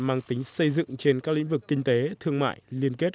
mang tính xây dựng trên các lĩnh vực kinh tế thương mại liên kết